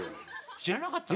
知らなかったの？